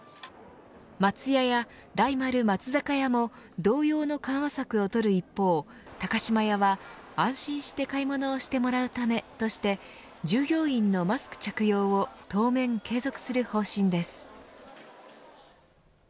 松屋や大丸・松坂屋も同様の緩和策をとる一方高島屋は安心して買い物をしてもらうためとして従業員のマスク着用を当面継続する方針です。